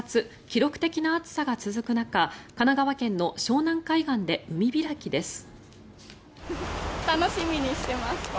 記録的な暑さが続く中神奈川県の湘南海岸で海開きです。